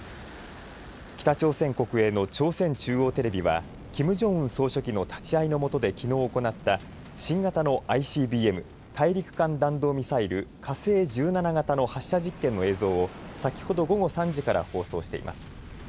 北朝鮮国営の朝鮮中央テレビはキム・ジョンウン総書記の立ち会いのもとできのう行った新型のＩＣＢＭ・大陸間弾道ミサイル火星１７型の発射実験の映像を先ほど午後３時から放送しています。